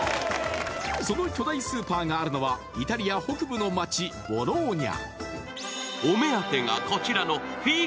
その巨大スーパーがあるのはイタリア北部の街、ボローニャ。